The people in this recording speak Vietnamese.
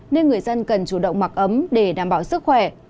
nên người dân cần chủ động mặc ấm để đảm bảo sức khỏe